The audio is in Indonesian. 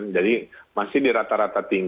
jadi masih di rata rata